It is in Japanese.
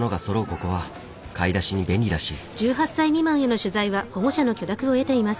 ここは買い出しに便利らしい。